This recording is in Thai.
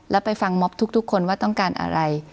แล้วไปฟังม็อบทุกคนว่าต้องการอะไร